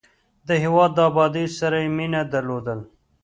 د هېواد د ابادۍ سره یې مینه درلودل.